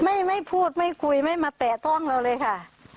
ไม่ไม่พูดไม่คุยไม่มาแตะต้องเราเลยค่ะ